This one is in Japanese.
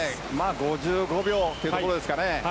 ５５秒ってところですかね。